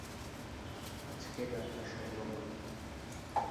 আজকে রাতটা স্বর্ণময়।